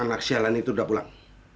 anak shalani tuh udah pulang